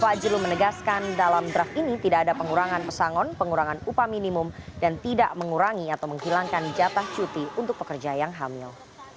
fajrul menegaskan dalam draft ini tidak ada pengurangan pesangon pengurangan upah minimum dan tidak mengurangi atau menghilangkan jatah cuti untuk pekerja yang hamil